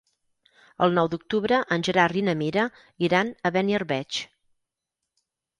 El nou d'octubre en Gerard i na Mira iran a Beniarbeig.